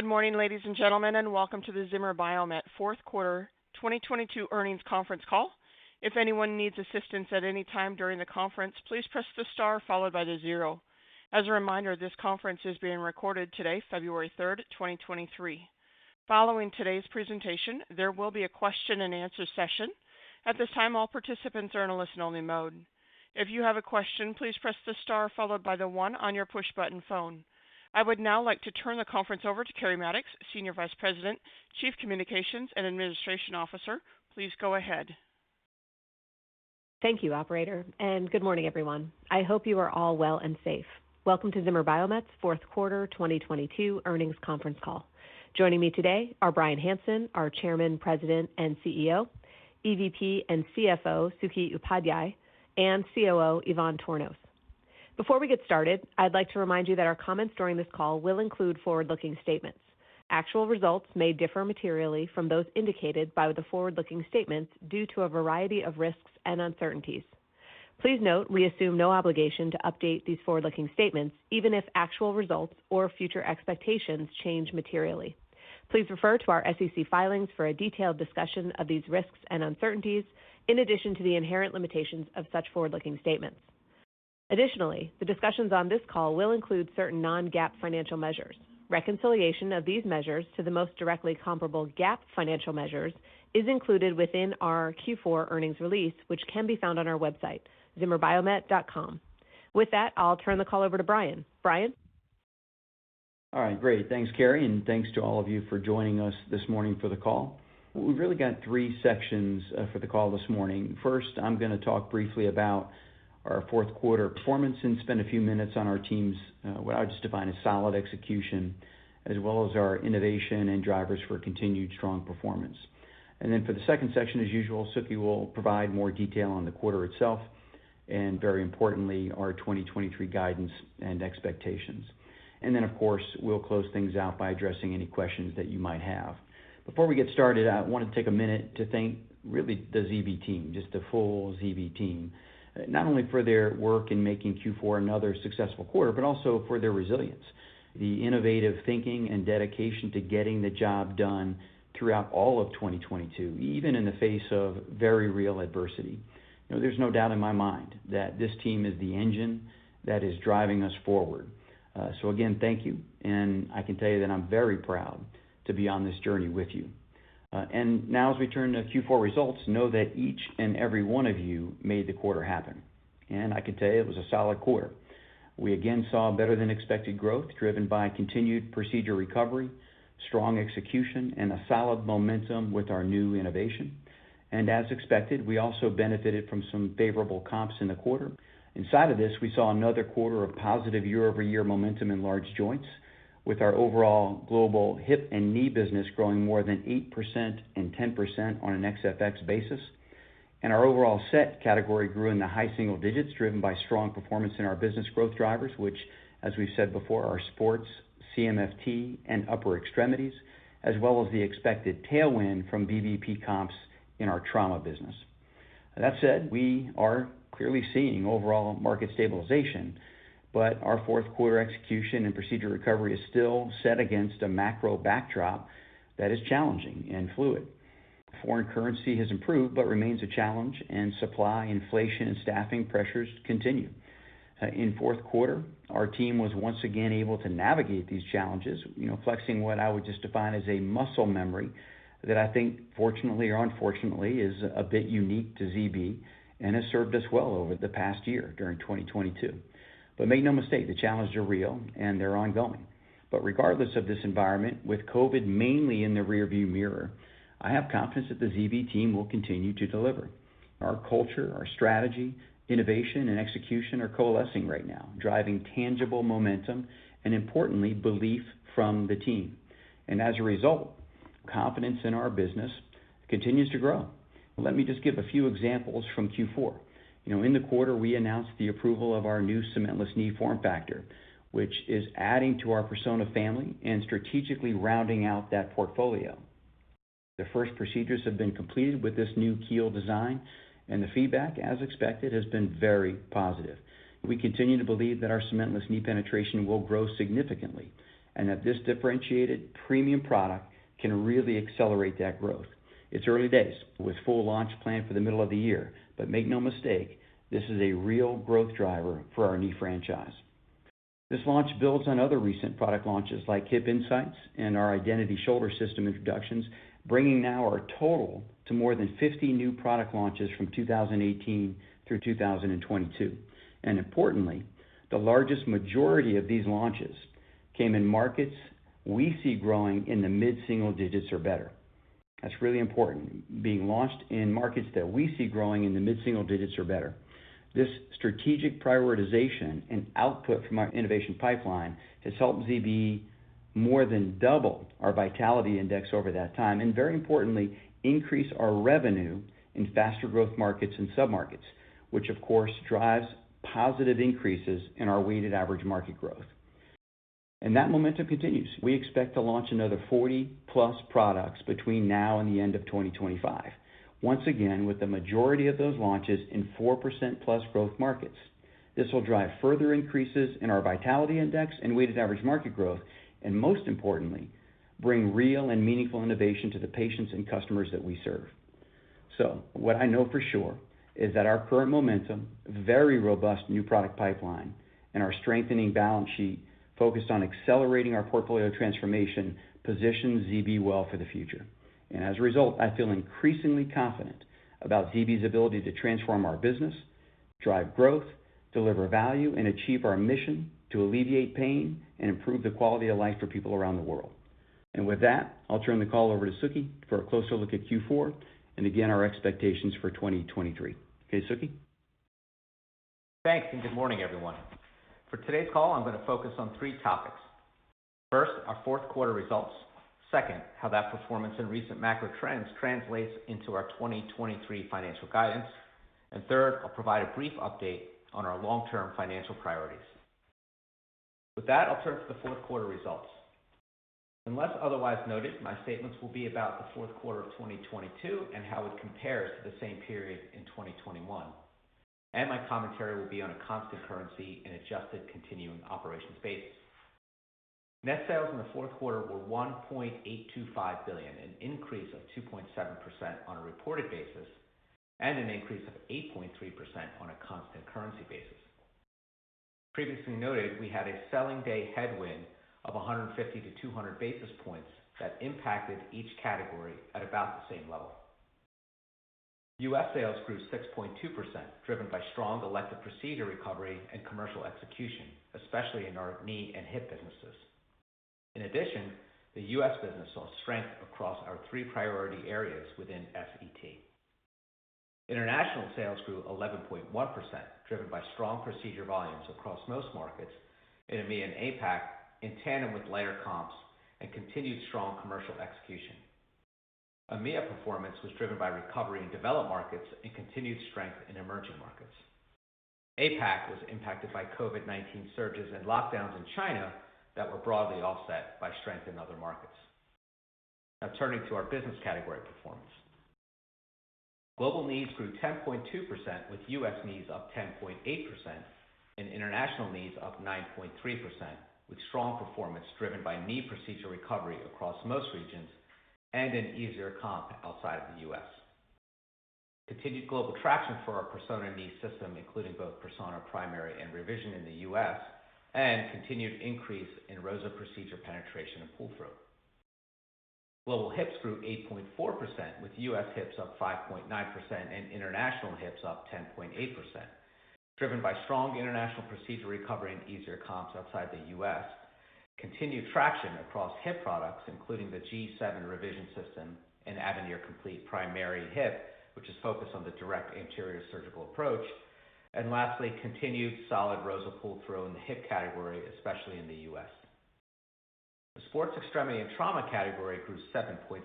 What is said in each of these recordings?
Good morning, ladies and gentlemen, welcome to the Zimmer Biomet Fourth Quarter 2022 Earnings Conference Call. If anyone needs assistance at any time during the conference, please press the star followed by the zero. As a reminder, this conference is being recorded today, February 3rd, 2023. Following today's presentation, there will be a question and answer session. At this time, all participants are in a listen only mode. If you have a question, please press the star followed by the one on your push button phone. I would now like to turn the conference over to Keri Mattox, Senior Vice President, Chief Communications and Administration Officer. Please go ahead. Thank you, operator, and good morning, everyone. I hope you are all well and safe. Welcome to Zimmer Biomet's Fourth Quarter 2022 Earnings Conference Call. Joining me today are Bryan Hanson, our Chairman, President, and CEO, EVP and CFO, Suketu Upadhyay, and COO, Ivan Tornos. Before we get started, I'd like to remind you that our comments during this call will include forward-looking statements. Actual results may differ materially from those indicated by the forward-looking statements due to a variety of risks and uncertainties. Please note, we assume no obligation to update these forward-looking statements, even if actual results or future expectations change materially. Please refer to our SEC filings for a detailed discussion of these risks and uncertainties, in addition to the inherent limitations of such forward-looking statements. Additionally, the discussions on this call will include certain non-GAAP financial measures. Reconciliation of these measures to the most directly comparable GAAP financial measures is included within our Q4 earnings release, which can be found on our website, zimmerbiomet.com. With that, I'll turn the call over to Bryan. Bryan? All right, great. Thanks, Keri, and thanks to all of you for joining us this morning for the call. We've really got three sections for the call this morning. First, I'm going to talk briefly about our fourth quarter performance and spend a few minutes on our team's what I would just define as solid execution, as well as our innovation and drivers for continued strong performance. For the second section, as usual, Suke will provide more detail on the quarter itself and very importantly, our 2023 guidance and expectations. Of course, we'll close things out by addressing any questions that you might have. Before we get started, I want to take a minute to thank really the ZB team, just the full ZB team, not only for their work in making Q4 another successful quarter, but also for their resilience, the innovative thinking and dedication to getting the job done throughout all of 2022, even in the face of very real adversity. You know, there's no doubt in my mind that this team is the engine that is driving us forward. So again, thank you. I can tell you that I'm very proud to be on this journey with you. Now as we turn to Q4 results, know that each and every one of you made the quarter happen. I can tell you it was a solid quarter. We again saw better than expected growth driven by continued procedure recovery, strong execution, and a solid momentum with our new innovation. As expected, we also benefited from some favorable comps in the quarter. Inside of this, we saw another quarter of positive year-over-year momentum in large joints with our overall global hip and knee business growing more than 8% and 10% on an FX basis. Our overall SET category grew in the high single digits, driven by strong performance in our business growth drivers, which, as we've said before, are sports, CMFT, and upper extremities, as well as the expected tailwind from VBP comps in our trauma business. That said, we are clearly seeing overall market stabilization, but our fourth quarter execution and procedure recovery is still set against a macro backdrop that is challenging and fluid. Foreign currency has improved but remains a challenge, and supply inflation and staffing pressures continue. In fourth quarter, our team was once again able to navigate these challenges, you know, flexing what I would just define as a muscle memory that I think, fortunately or unfortunately, is a bit unique to ZB and has served us well over the past year during 2022. Make no mistake, the challenges are real and they're ongoing. Regardless of this environment, with COVID mainly in the rearview mirror, I have confidence that the ZB team will continue to deliver. Our culture, our strategy, innovation, and execution are coalescing right now, driving tangible momentum and importantly, belief from the team. As a result, confidence in our business continues to grow. Let me just give a few examples from Q4. You know, in the quarter, we announced the approval of our new cementless knee form factor, which is adding to our Persona family and strategically rounding out that portfolio. The first procedures have been completed with this new keel design, and the feedback, as expected, has been very positive. We continue to believe that our cementless knee penetration will grow significantly, and that this differentiated premium product can really accelerate that growth. It's early days with full launch planned for the middle of the year. Make no mistake, this is a real growth driver for our knee franchise. This launch builds on other recent product launches like Hip Insights and our Identity shoulder system introductions, bringing now our total to more than 50 new product launches from 2018 through 2022. Importantly, the largest majority of these launches came in markets we see growing in the mid-single digits or better. That's really important. Being launched in markets that we see growing in the mid-single digits or better. This strategic prioritization and output from our innovation pipeline has helped ZB more than double our Vitality Index over that time, and very importantly, increase our revenue in faster growth markets and submarkets, which of course drives positive increases in our weighted average market growth. That momentum continues. We expect to launch another 40+ products between now and the end of 2025. Once again, with the majority of those launches in 4%+ growth markets. This will drive further increases in our Vitality Index and weighted average market growth, and most importantly, bring real and meaningful innovation to the patients and customers that we serve. What I know for sure is that our current momentum, very robust new product pipeline, and our strengthening balance sheet focused on accelerating our portfolio transformation positions ZB well for the future. As a result, I feel increasingly confident about ZB's ability to transform our business, drive growth, deliver value, and achieve our mission to alleviate pain and improve the quality of life for people around the world. With that, I'll turn the call over to Suke for a closer look at Q4 and again, our expectations for 2023. Okay, Suke. Thanks, good morning, everyone. For today's call, I'm going to focus on three topics. First, our fourth quarter results. Second, how that performance and recent macro trends translates into our 2023 financial guidance. Third, I'll provide a brief update on our long term financial priorities. With that, I'll turn to the fourth quarter results. Unless otherwise noted, my statements will be about the fourth quarter of 2022 and how it compares to the same period in 2021. My commentary will be on a constant currency and adjusted continuing operations basis. Net sales in the fourth quarter were $1.825 billion, an increase of 2.7% on a reported basis, and an increase of 8.3% on a constant currency basis. Previously noted, we had a selling day headwind of 150-200 basis points that impacted each category at about the same level. U.S. sales grew 6.2%, driven by strong elective procedure recovery and commercial execution, especially in our knee and hip businesses. In addition, the U.S. business saw strength across our three priority areas within SET. International sales grew 11.1%, driven by strong procedure volumes across most markets in EMEA and APAC, in tandem with lighter comps and continued strong commercial execution. EMEA performance was driven by recovery in developed markets and continued strength in emerging markets. APAC was impacted by COVID-19 surges and lockdowns in China that were broadly offset by strength in other markets. Now turning to our business category performance. Global knees grew 10.2%, with U.S. knees up 10.8% and international knees up 9.3%, with strong performance driven by knee procedure recovery across most regions and an easier comp outside of the U.S. Continued global traction for our Persona knee system, including both Persona Primary and revision in the U.S., and continued increase in ROSA procedure penetration and pull through. Global hips grew 8.4%, with U.S. hips up 5.9% and international hips up 10.8%, driven by strong international procedure recovery and easier comps outside the U.S. Continued traction across hip products, including the G7 revision system and Avenir complete primary hip, which is focused on the direct anterior surgical approach. Lastly, continued solid ROSA pull through in the hip category, especially in the U.S. The Sports Extremities and Trauma category grew 7.6%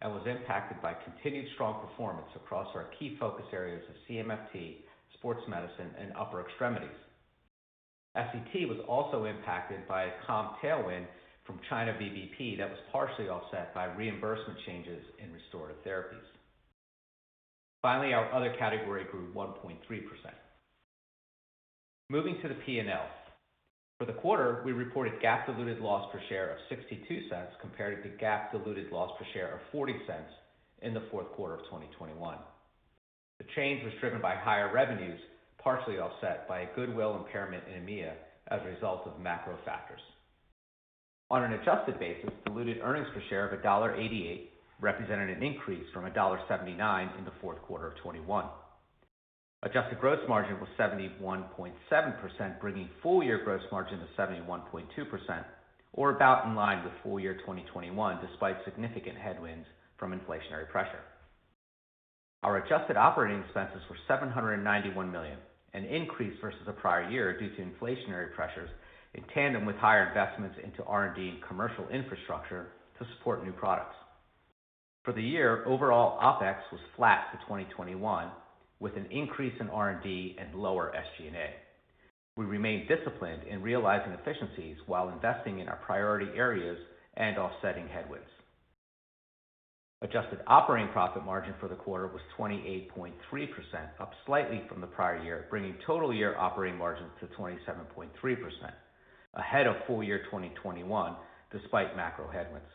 and was impacted by continued strong performance across our key focus areas of CMFT, Sports Medicine, and upper extremities. SET was also impacted by a comp tailwind from China VBP that was partially offset by reimbursement changes in restorative therapies. Finally, our other category grew 1.3%. Moving to the P&L. For the quarter, we reported GAAP diluted loss per share of $0.62 compared to GAAP diluted loss per share of $0.40 in the fourth quarter of 2021. The change was driven by higher revenues, partially offset by a goodwill impairment in EMEA as a result of macro factors. On an adjusted basis, diluted earnings per share of $1.88 represented an increase from $1.79 in the fourth quarter of 2021. Adjusted gross margin was 71.7%, bringing full year gross margin to 71.2% or about in line with full year 2021 despite significant headwinds from inflationary pressure. Our adjusted operating expenses were $791 million, an increase versus the prior year due to inflationary pressures in tandem with higher investments into R&D and commercial infrastructure to support new products. For the year, overall OpEx was flat to 2021, with an increase in R&D and lower SG&A. We remain disciplined in realizing efficiencies while investing in our priority areas and offsetting headwinds. Adjusted operating profit margin for the quarter was 28.3%, up slightly from the prior year, bringing total year operating margins to 27.3%, ahead of full year 2021 despite macro headwinds.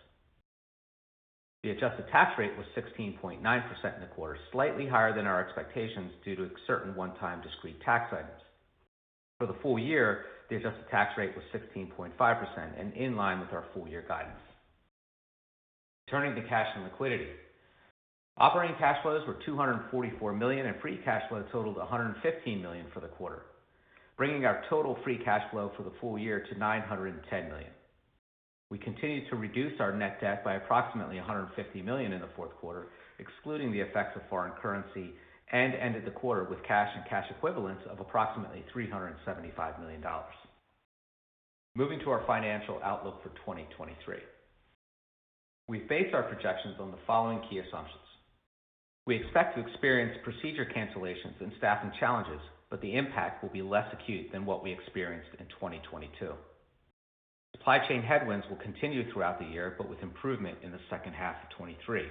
The adjusted tax rate was 16.9% in the quarter, slightly higher than our expectations due to certain one-time discrete tax items. For the full year, the adjusted tax rate was 16.5% and in line with our full year guidance. Turning to cash and liquidity. Operating cash flows were $244 million, and free cash flow totaled $115 million for the quarter, bringing our total free cash flow for the full year to $910 million. We continued to reduce our net debt by approximately $150 million in the fourth quarter, excluding the effects of foreign currency, and ended the quarter with cash and cash equivalents of approximately $375 million. Moving to our financial outlook for 2023. We base our projections on the following key assumptions. We expect to experience procedure cancellations and staffing challenges, but the impact will be less acute than what we experienced in 2022. Supply chain headwinds will continue throughout the year, but with improvement in the second half of 2023.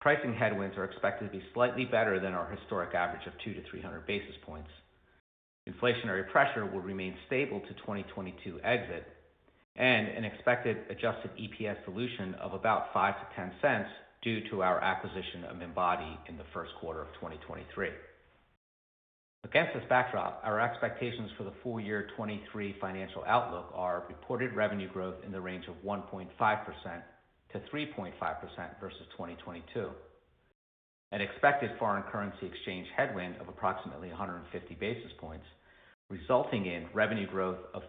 Pricing headwinds are expected to be slightly better than our historic average of 200-300 basis points. Inflationary pressure will remain stable to 2022 exit and an expected adjusted EPS dilution of about $0.05-$0.10 due to our acquisition of Embody in the first quarter of 2023. Against this backdrop, our expectations for the full year 2023 financial outlook are reported revenue growth in the range of 1.5%-3.5% versus 2022. An expected foreign currency exchange headwind of approximately 150 basis points, resulting in revenue growth of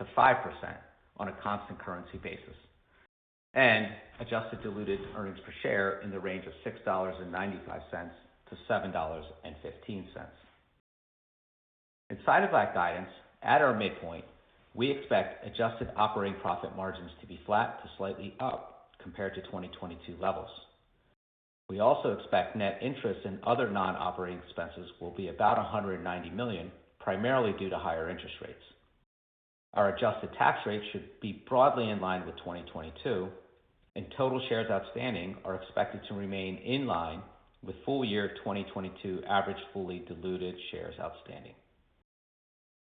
3%-5% on a constant currency basis and adjusted diluted earnings per share in the range of $6.95-$7.15. Inside of that guidance at our midpoint, we expect adjusted operating profit margins to be flat to slightly up compared to 2022 levels. We also expect net interest in other non-operating expenses will be about $190 million, primarily due to higher interest rates. Our adjusted tax rate should be broadly in line with 2022, and total shares outstanding are expected to remain in line with full year 2022 average fully diluted shares outstanding.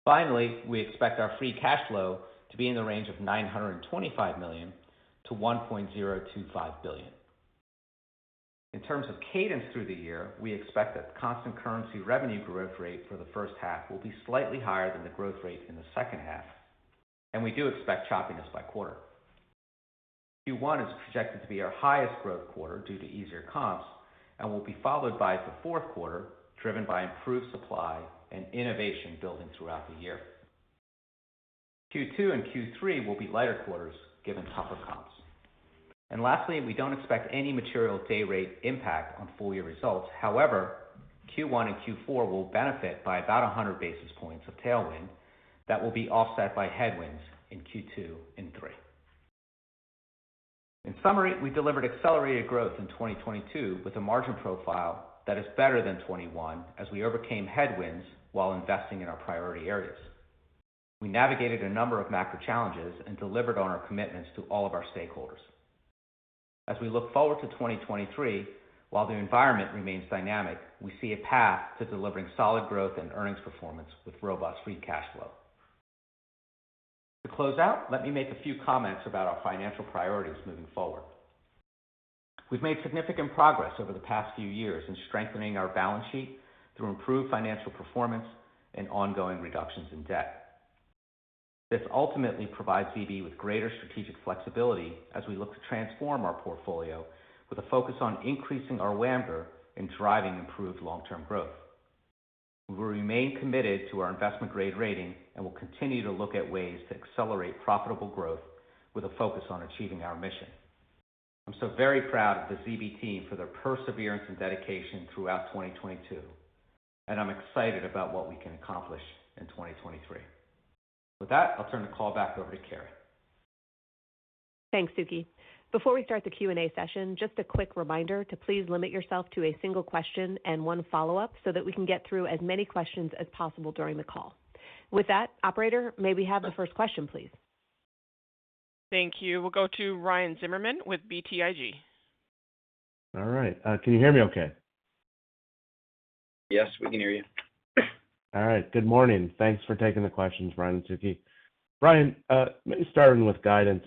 Finally, we expect our free cash flow to be in the range of $925 million-$1.025 billion. In terms of cadence through the year, we expect that the constant currency revenue growth rate for the first half will be slightly higher than the growth rate in the second half, we do expect choppiness by quarter. Q1 is projected to be our highest growth quarter due to easier comps and will be followed by the fourth quarter, driven by improved supply and innovation building throughout the year. Q2 and Q3 will be lighter quarters given tougher comps. Lastly, we don't expect any material day rate impact on full year results. However, Q1 and Q4 will benefit by about 100 basis points of tailwind that will be offset by headwinds in Q2 and Q3. In summary, we delivered accelerated growth in 2022 with a margin profile that is better than 2021 as we overcame headwinds while investing in our priority areas. We navigated a number of macro challenges and delivered on our commitments to all of our stakeholders. As we look forward to 2023, while the environment remains dynamic, we see a path to delivering solid growth and earnings performance with robust free cash flow. To close out, let me make a few comments about our financial priorities moving forward. We've made significant progress over the past few years in strengthening our balance sheet through improved financial performance and ongoing reductions in debt. This ultimately provides ZB with greater strategic flexibility as we look to transform our portfolio with a focus on increasing our WAMGR and driving improved long-term growth. We will remain committed to our investment-grade rating and will continue to look at ways to accelerate profitable growth with a focus on achieving our mission. I'm so very proud of the ZB team for their perseverance and dedication throughout 2022, and I'm excited about what we can accomplish in 2023. With that, I'll turn the call back over to Keri. Thanks, Suke. Before we start the Q&A session, just a quick reminder to please limit yourself to a single question and one follow-up so that we can get through as many questions as possible during the call. With that, operator, may we have the first question, please? Thank you. We'll go to Ryan Zimmerman with BTIG. All right. Can you hear me okay? Yes, we can hear you. All right. Good morning. Thanks for taking the questions, Bryan and Suke. Bryan, maybe starting with guidance.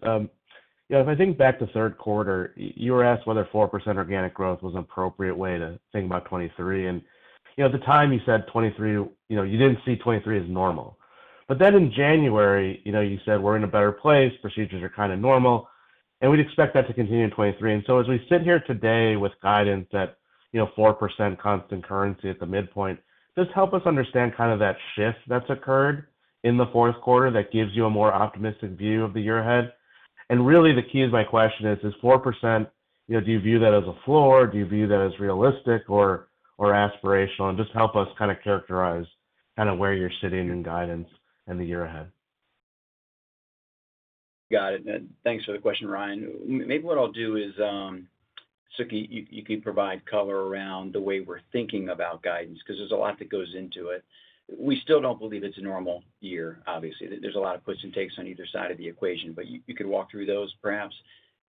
You know, if I think back to third quarter, you were asked whether 4% organic growth was an appropriate way to think about 2023. You know, at the time you said 2023, you know, you didn't see 2023 as normal. In January, you know, you said we're in a better place. Procedures are kind of normal, we'd expect that to continue in 2023. As we sit here today with guidance at, you know, 4% constant currency at the midpoint, just help us understand kind of that shift that's occurred in the fourth quarter that gives you a more optimistic view of the year ahead. Really, the key is my question is 4%, you know, do you view that as a floor? Do you view that as realistic or aspirational? Just help us kind of characterize kind of where you're sitting in guidance in the year ahead. Got it. Thanks for the question, Ryan. Maybe what I'll do is, Suke, you can provide color around the way we're thinking about guidance because there's a lot that goes into it. We still don't believe it's a normal year, obviously. There's a lot of puts and takes on either side of the equation, you could walk through those perhaps.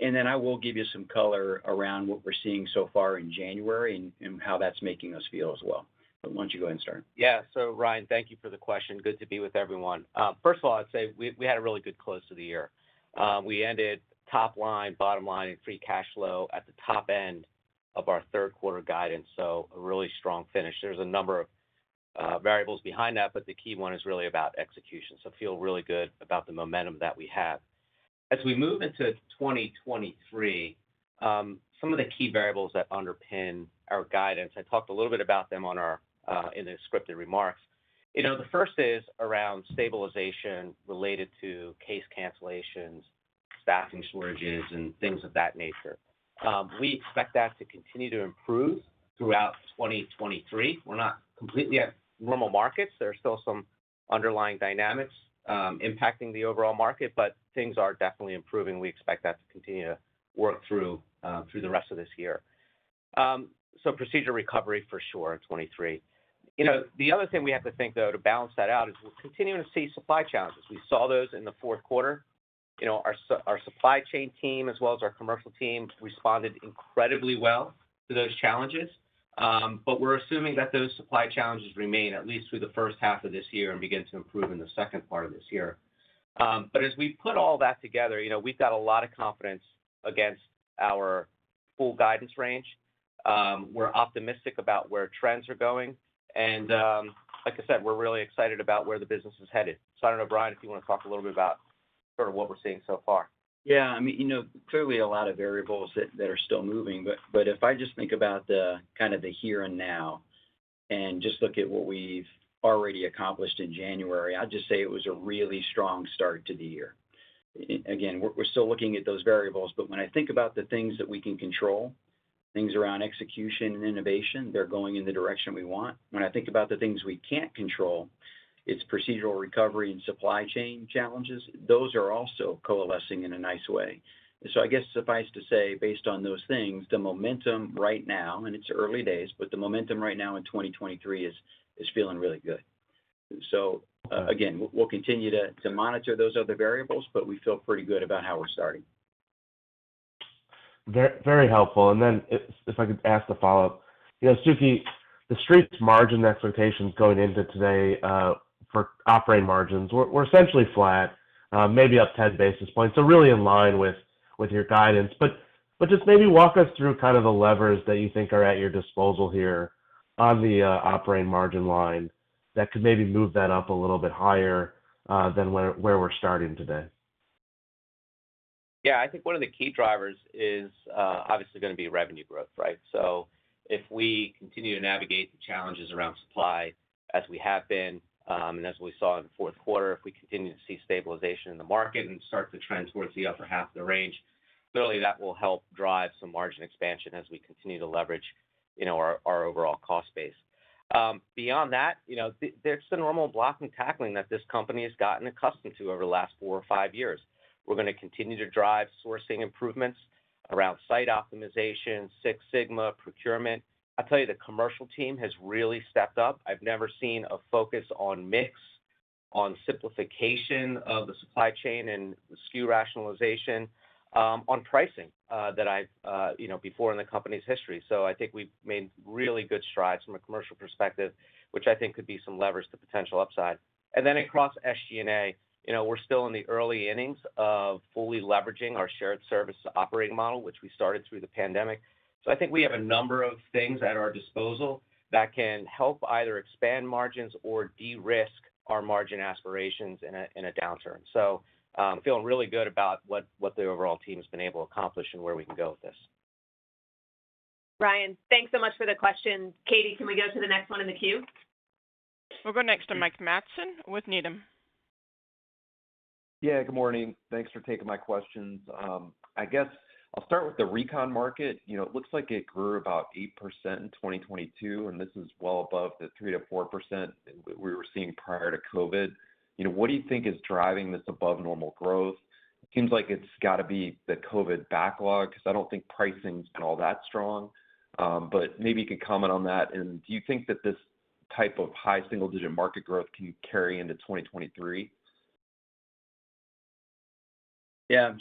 I will give you some color around what we're seeing so far in January and how that's making us feel as well. Why don't you go ahead and start? Yeah. Ryan, thank you for the question. Good to be with everyone. First of all, I'd say we had a really good close to the year. We ended top line, bottom line in free cash flow at the top end of our third quarter guidance. A really strong finish. There's a number of variables behind that. The key one is really about execution. Feel really good about the momentum that we have. As we move into 2023, some of the key variables that underpin our guidance, I talked a little bit about them on our in the scripted remarks. You know, the first is around stabilization related to case cancellations, staffing shortages, and things of that nature. We expect that to continue to improve throughout 2023. We're not completely at normal markets. There are still some underlying dynamics impacting the overall market, but things are definitely improving. We expect that to continue to work through through the rest of this year. Procedure recovery for sure in 23. You know, the other thing we have to think though to balance that out is we're continuing to see supply challenges. We saw those in the fourth quarter. You know, our supply chain team as well as our commercial teams responded incredibly well to those challenges. We're assuming that those supply challenges remain at least through the first half of this year and begin to improve in the second part of this year. As we put all that together, you know, we've got a lot of confidence against our full guidance range. We're optimistic about where trends are going, and, like I said, we're really excited about where the business is headed. I don't know, Bryan, if you wanna talk a little bit about sort of what we're seeing so far. Yeah. I mean, you know, clearly a lot of variables that are still moving, but if I just think about the kind of the here and now and just look at what we've already accomplished in January, I'd just say it was a really strong start to the year. Again, we're still looking at those variables, when I think about the things that we can control, things around execution and innovation, they're going in the direction we want. When I think about the things we can't control, it's procedural recovery and supply chain challenges. Those are also coalescing in a nice way. I guess suffice to say, based on those things, the momentum right now, and it's early days, the momentum right now in 2023 is feeling really good. Again, we'll continue to monitor those other variables, but we feel pretty good about how we're starting. Very helpful. Then if I could ask the follow-up. You know Suke, the Street's margin expectations going into today, for operating margins were essentially flat, maybe up 10 basis points. Really in line with your guidance. Just maybe walk us through kind of the levers that you think are at your disposal here on the operating margin line that could maybe move that up a little bit higher than where we're starting today. Yeah. I think one of the key drivers is obviously gonna be revenue growth, right? If we continue to navigate the challenges around supply as we have been, and as we saw in the fourth quarter, if we continue to see stabilization in the market and start to trend towards the upper half of the range, clearly that will help drive some margin expansion as we continue to leverage, you know, our overall cost base. Beyond that, you know, there's the normal block and tackling that this company has gotten accustomed to over the last four or five years. We're gonna continue to drive sourcing improvements around site optimization, Six Sigma, procurement. I tell you, the commercial team has really stepped up. I've never seen a focus on mix, on simplification of the supply chain and SKU rationalization, on pricing, that I've, you know, before in the company's history. I think we've made really good strides from a commercial perspective, which I think could be some levers to potential upside. Across SG&A, you know, we're still in the early innings of fully leveraging our shared service operating model, which we started through the pandemic. I think we have a number of things at our disposal that can help either expand margins or de-risk our margin aspirations in a, in a downturn. Feeling really good about what the overall team's been able to accomplish and where we can go with this. Ryan, thanks so much for the question. Katie, can we go to the next one in the queue? We'll go next to Mike Matson with Needham. Yeah. Good morning. Thanks for taking my questions. I guess I'll start with the recon market. You know, it looks like it grew about 8% in 2022, and this is well above the 3%-4% we were seeing prior to COVID. You know, what do you think is driving this above normal growth? It seems like it's gotta be the COVID backlog, because I don't think pricing's been all that strong. Maybe you could comment on that. Do you think that this type of high single digit market growth can carry into 2023? Yeah.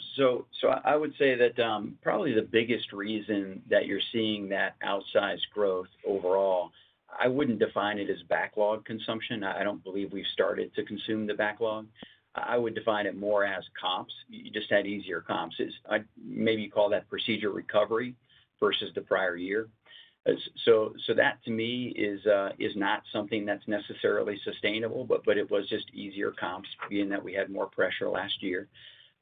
I would say that, probably the biggest reason that you're seeing that outsized growth overall, I wouldn't define it as backlog consumption. I don't believe we've started to consume the backlog. I would define it more as comps. You just had easier comps. I'd maybe call that procedure recovery versus the prior year. That to me is not something that's necessarily sustainable, but it was just easier comps being that we had more pressure last year.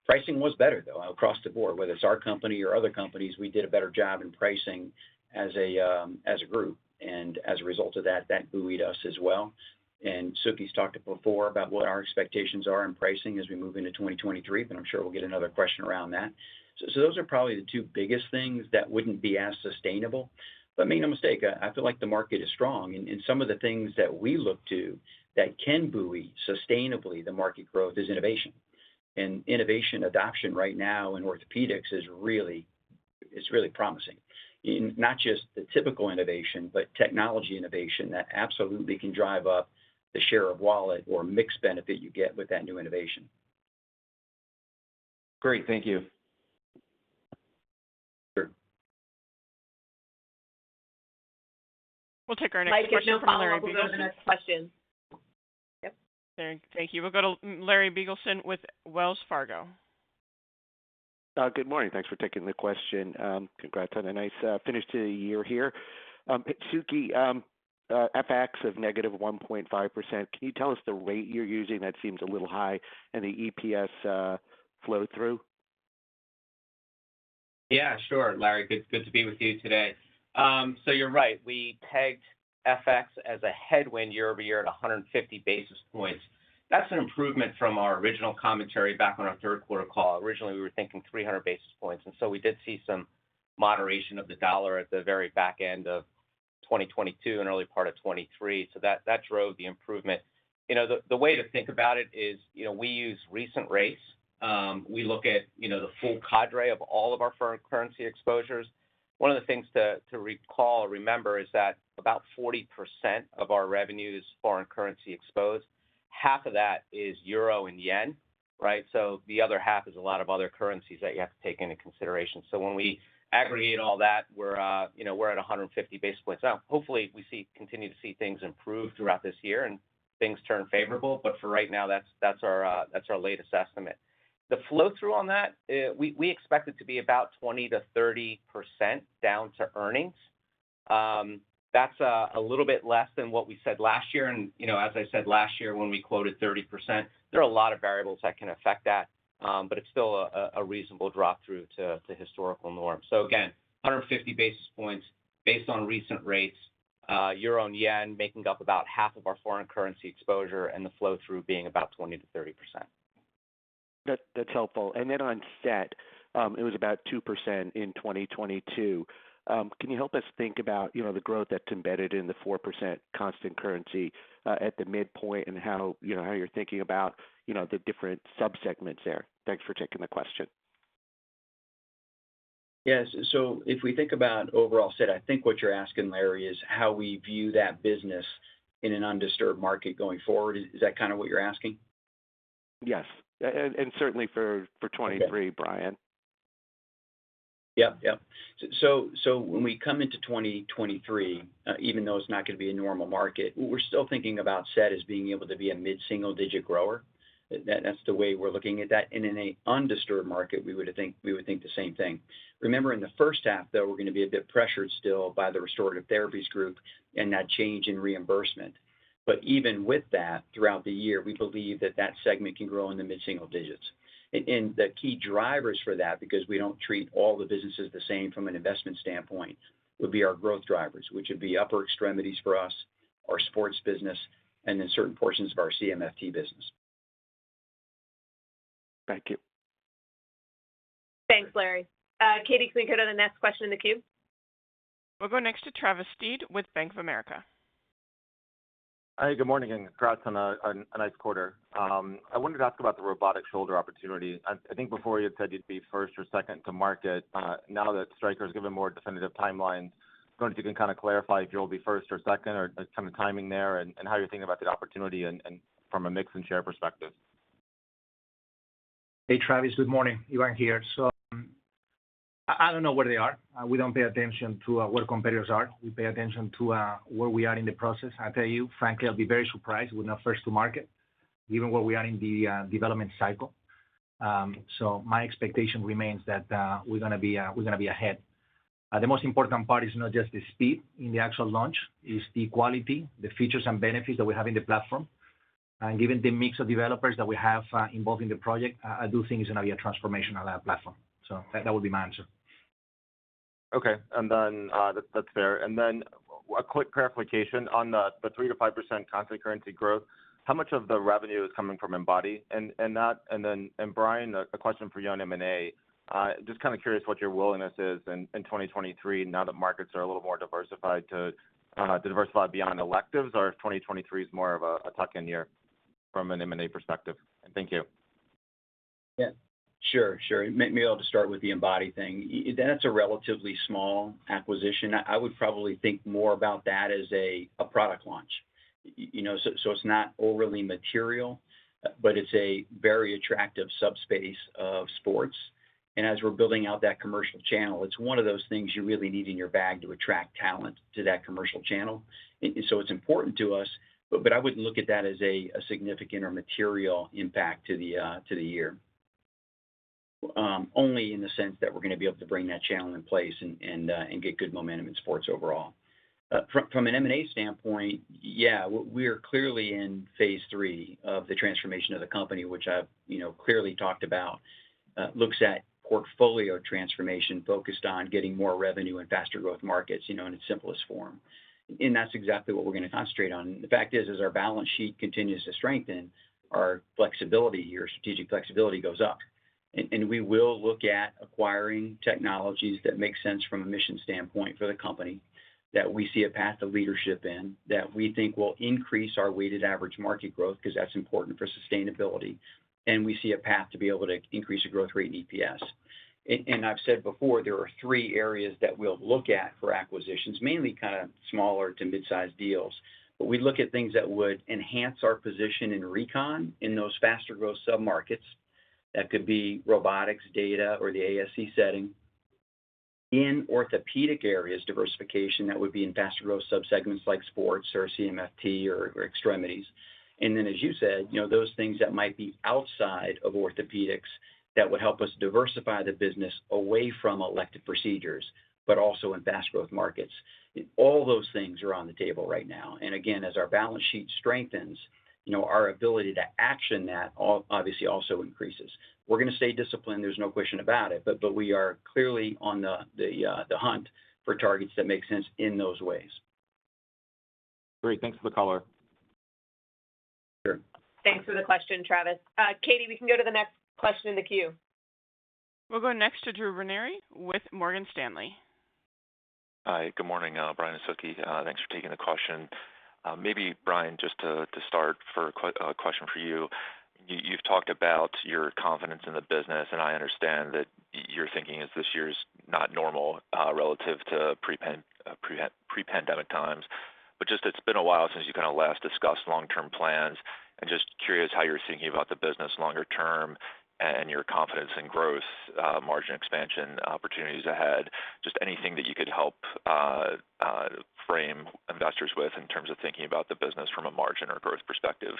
Pricing was better, though, across the board. Whether it's our company or other companies, we did a better job in pricing as a group. As a result of that buoyed us as well. Suke's talked it before about what our expectations are in pricing as we move into 2023, but I'm sure we'll get another question around that. Those are probably the two biggest things that wouldn't be as sustainable. Make no mistake, I feel like the market is strong. Some of the things that we look to that can buoy sustainably the market growth is innovation. Innovation adoption right now in orthopedics is really promising. Not just the typical innovation, but technology innovation that absolutely can drive up the share of wallet or mix benefit you get with that new innovation. Great. Thank you. Sure. We'll take our next question from Larry. Mike, if no follow-up, we'll go to the next question. Yep. Thank you. We'll go to Larry Biegelsen with Wells Fargo. Good morning. Thanks for taking the question. Congrats on a nice finish to the year here. Suke, FX of negative 1.5%, can you tell us the rate you're using that seems a little high in the EPS flow through? Yeah. Sure, Larry. Good to be with you today. You're right. We pegged FX as a headwind year-over-year at 150 basis points. That's an improvement from our original commentary back on our third quarter call. Originally, we were thinking 300 basis points. We did see some moderation of the dollar at the very back end of 2022 and early part of 2023. That drove the improvement. You know, the way to think about it is, you know, we use recent rates. We look at, you know, the full cadre of all of our foreign currency exposures. One of the things to recall or remember is that about 40% of our revenue is foreign currency exposed. Half of that is euro and yen, right? The other half is a lot of other currencies that you have to take into consideration. When we aggregate all that, we're, you know, we're at 150 basis points. Hopefully we continue to see things improve throughout this year and things turn favorable. For right now, that's our latest estimate. The flow-through on that, we expect it to be about 20%-30% down to earnings. That's a little bit less than what we said last year. You know, as I said last year when we quoted 30%, there are a lot of variables that can affect that, but it's still a reasonable drop-through to historical norms. Again, 150 basis points based on recent rates, Euro and Yen making up about half of our foreign currency exposure and the flow-through being about 20%-30%. That's helpful. On SET, it was about 2% in 2022. Can you help us think about, you know, the growth that's embedded in the 4% constant currency at the midpoint and how, you know, how you're thinking about, you know, the different subsegments there? Thanks for taking the question. Yes. If we think about overall SET, I think what you're asking, Larry, is how we view that business in an undisturbed market going forward. Is that kind of what you're asking? Yes. certainly for 2023, Bryan. Yep. So when we come into 2023, even though it's not gonna be a normal market, we're still thinking about SET as being able to be a mid-single digit grower. That's the way we're looking at that. In a undisturbed market, we would think the same thing. Remember, in the first half, though, we're gonna be a bit pressured still by the restorative therapies group and that change in reimbursement. Even with that, throughout the year, we believe that that segment can grow in the mid-single digits. The key drivers for that, because we don't treat all the businesses the same from an investment standpoint, would be our growth drivers, which would be upper extremities for us, our sports business, and then certain portions of our CMFT business. Thank you. Thanks, Larry. Katie, can we go to the next question in the queue? We'll go next to Travis Steed with Bank of America. Hi, good morning, and congrats on a nice quarter. I wanted to ask about the robotic shoulder opportunity. I think before you had said you'd be first or second to market. Now that Stryker's given more definitive timelines, wondering if you can kind of clarify if you'll be first or second or the kind of timing there and how you're thinking about the opportunity and from a mix and share perspective. Hey, Travis. Good morning. Ivan here. I don't know where they are. We don't pay attention to where competitors are. We pay attention to where we are in the process. I tell you, frankly, I'll be very surprised we're not first to market given where we are in the development cycle. My expectation remains that we're gonna be ahead. The most important part is not just the speed in the actual launch, it's the quality, the features and benefits that we have in the platform. Given the mix of developers that we have involved in the project, I do think it's gonna be a transformational platform. That would be my answer. Okay. That's fair. A quick clarification on the 3%-5% constant currency growth. How much of the revenue is coming from Embody and that? Bryan, a question for you on M&A. Just kind of curious what your willingness is in 2023 now that markets are a little more diversified to diversify beyond electives, or if 2023 is more of a tuck-in year from an M&A perspective. Thank you. Yeah, sure. I'll just start with the Embody thing. That's a relatively small acquisition. I would probably think more about that as a product launch. You know, so it's not overly material, but it's a very attractive subspace of sports. As we're building out that commercial channel, it's one of those things you really need in your bag to attract talent to that commercial channel. So it's important to us, but I wouldn't look at that as a significant or material impact to the year. Only in the sense that we're gonna be able to bring that channel in place and get good momentum in sports overall. From an M&A standpoint, yeah, we are clearly in phase III of the transformation of the company, which I've, you know, clearly talked about. Looks at portfolio transformation focused on getting more revenue in faster growth markets, you know, in its simplest form. That's exactly what we're gonna concentrate on. The fact is, as our balance sheet continues to strengthen our flexibility, your strategic flexibility goes up. We will look at acquiring technologies that make sense from a mission standpoint for the company, that we see a path to leadership in, that we think will increase our weighted average market growth because that's important for sustainability. We see a path to be able to increase the growth rate in EPS. I've said before, there are three areas that we'll look at for acquisitions, mainly kind of smaller to mid-sized deals. We look at things that would enhance our position in recon in those faster growth sub-markets. That could be robotics data or the ASC setting. In orthopedic areas, diversification that would be in faster growth subsegments like sports or CMFT or extremities. As you said, you know, those things that might be outside of orthopedics that would help us diversify the business away from elective procedures, but also in fast growth markets. All those things are on the table right now. Again, as our balance sheet strengthens, you know, our ability to action that obviously also increases. We're gonna stay disciplined, there's no question about it. We are clearly on the hunt for targets that make sense in those ways. Great. Thanks for the color. Sure. Thanks for the question, Travis. Katie, we can go to the next question in the queue. We'll go next to Drew Ranieri with Morgan Stanley. Hi, good morning, Bryan and Suke. Thanks for taking the question. Maybe Bryan, just to start for a question for you. You've talked about your confidence in the business, and I understand that your thinking is this year's not normal, relative to pre-pandemic times. Just it's been a while since you kinda last discussed long-term plans. I'm just curious how you're thinking about the business longer term and your confidence in growth, margin expansion opportunities ahead. Just anything that you could help, frame investors with in terms of thinking about the business from a margin or growth perspective.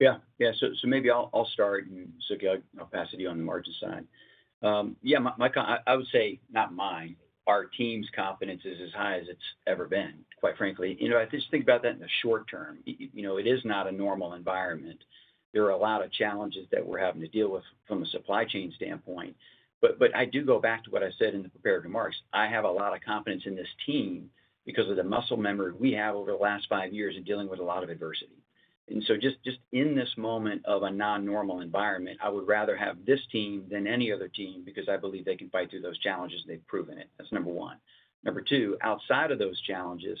Yeah. Yeah, maybe I'll start and Suke, I'll pass it to you on the margin side. Yeah, I would say not mine, our team's confidence is as high as it's ever been, quite frankly. You know, I just think about that in the short term. You know, it is not a normal environment. There are a lot of challenges that we're having to deal with from a supply chain standpoint, but I do go back to what I said in the prepared remarks. I have a lot of confidence in this team because of the muscle memory we have over the last five years in dealing with a lot of adversity. Just in this moment of a non-normal environment, I would rather have this team than any other team because I believe they can fight through those challenges. They've proven it. That's number one. Number two, outside of those challenges,